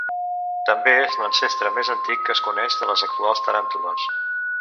També és l'ancestre més antic que es coneix de les actuals taràntules.